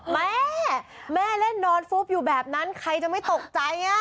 แม่แม่เล่นนอนฟุบอยู่แบบนั้นใครจะไม่ตกใจ